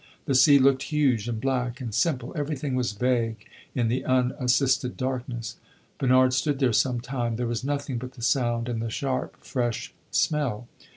The sea looked huge and black and simple; everything was vague in the unassisted darkness. Bernard stood there some time; there was nothing but the sound and the sharp, fresh smell.